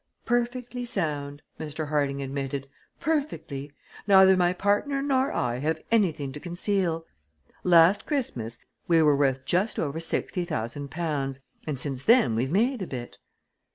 "Perfectly sound," Mr. Harding admitted "perfectly! Neither my partner nor I have anything to conceal. Last Christmas we were worth just over sixty thousand pounds and since then we've made a bit."